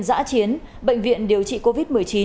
giã chiến bệnh viện điều trị covid một mươi chín